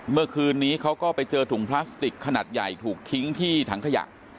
เมื่อคืนนี้เขาก็ไปเจอถุงพลาสติกขนาดใหญ่ถูกทิ้งที่ถังขยะ